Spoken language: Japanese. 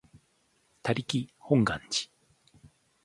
他力本願寺